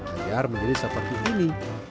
agar menjadi seperti ini